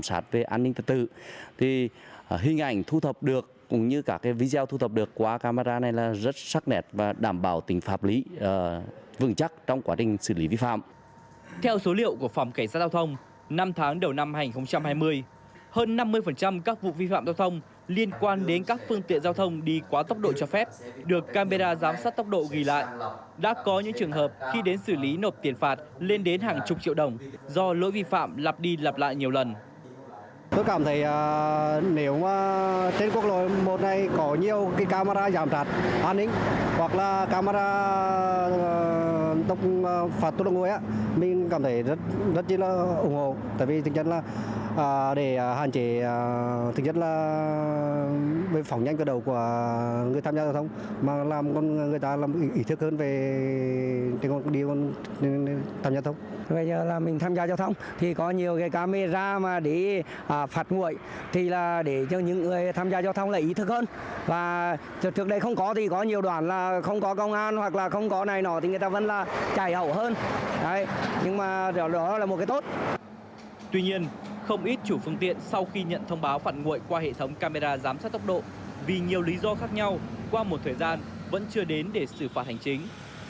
sau khi nhận thông báo phản nguội qua hệ thống camera giám sát tốc độ vì nhiều lý do khác nhau qua một thời gian vẫn chưa đến để xử phạt hành chính